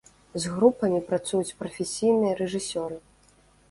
З групамі працуюць прафесійныя рэжысёры.